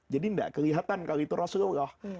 jadi gak kelihatan kalau itu rasulullah